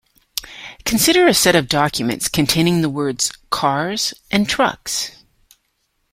Consider a set of documents containing the words “cars” and “trucks”.